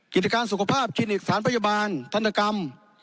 กิจการสุขภาพคลินิกสถานพยาบาลธนกรรม